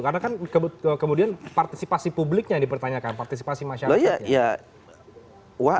karena kan kemudian partisipasi publiknya yang dipertanyakan partisipasi masyarakatnya